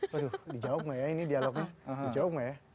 waduh dijawab gak ya ini dialognya dijawab gak ya